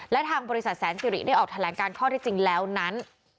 และทางบริษัทแสนสิริได้ออกแถลงการข้อที่จริงแล้วนั้น